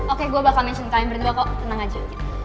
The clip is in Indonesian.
oke gue bakal mention kalian berdua kok tenang aja